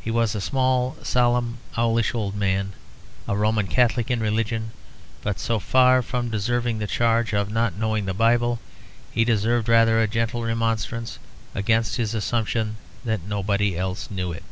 He was a small, solemn, owlish old man, a Roman Catholic in religion; but so far from deserving the charge of not knowing the Bible, he deserved rather a gentle remonstrance against his assumption that nobody else knew it.